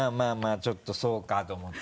ちょっとそうかと思った。